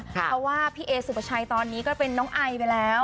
เพราะว่าพี่เอสุปชัยตอนนี้ก็เป็นน้องไอไปแล้ว